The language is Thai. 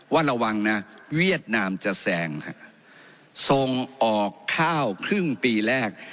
ว่าระวังนะเวียดนามจะแซงฮะส่งออกข้าวครึ่งปีแรก